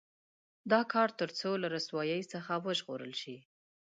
دا کار تر څو له رسوایۍ څخه وژغورل شي.